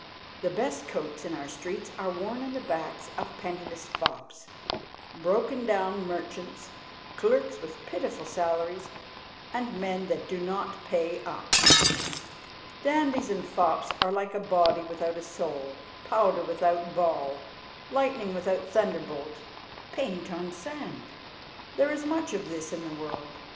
The best coats in our streets are worn on the backs of penniless fops, broken down merchants, clerks with pitiful salaries, and men that do not pay up. Dandies and fops are like a body without soul, powder without ball, lightning without thunderbolt, paint on sand. There is much of this in the world.